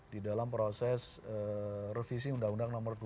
di dalam proses revisi undang undang nomor dua puluh tahun dua ribu tiga ini